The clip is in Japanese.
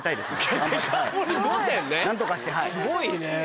すごいね。